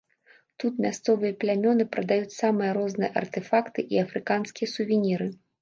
Тут мясцовыя плямёны прадаюць самыя розныя артэфакты і афрыканскія сувеніры.